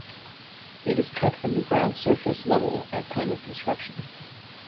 It is cut from the ground surface level at time of construction.